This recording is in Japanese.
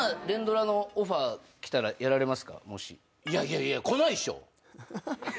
いやいや来ないっしょ。